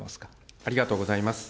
ありがとうございます。